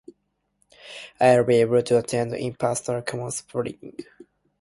I'll be able to attend in person come spring.